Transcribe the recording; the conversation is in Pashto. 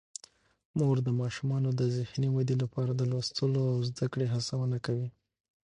مور د ماشومانو د ذهني ودې لپاره د لوستلو او زده کړې هڅونه کوي.